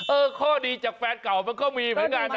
ข้อดีจากแฟนเก่ามันก็มีเหมือนกันนะ